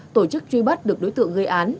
tổ chức truy bắt được đối tượng gây án